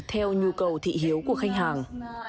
theo nhu cầu thị hiếu của khách hàng